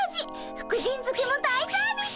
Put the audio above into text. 福神づけも大サービス。